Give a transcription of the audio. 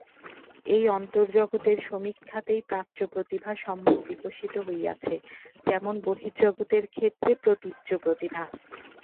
এই অন্তর্জগতের সমীক্ষাতেই প্রাচ্যপ্রতিভা সম্যক বিকশিত হইয়াছে, যেমন বহির্জগতের ক্ষেত্রে প্রতীচ্য প্রতিভা।